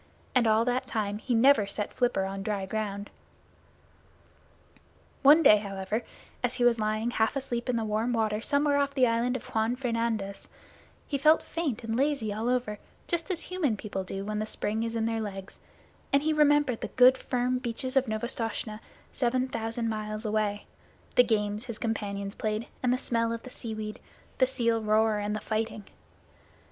And all that time he never set flipper on dry ground. One day, however, as he was lying half asleep in the warm water somewhere off the Island of Juan Fernandez, he felt faint and lazy all over, just as human people do when the spring is in their legs, and he remembered the good firm beaches of Novastoshnah seven thousand miles away, the games his companions played, the smell of the seaweed, the seal roar, and the fighting.